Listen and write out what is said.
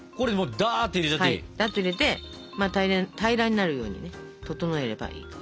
ダって入れて平らになるようにね整えればいいと。